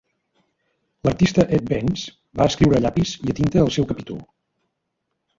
L'artista Ed Benes va escriure a llapis i a tinta el seu capítol.